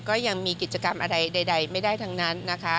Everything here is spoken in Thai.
ก็ยังมีกิจกรรมอะไรใดไม่ได้ทั้งนั้นนะคะ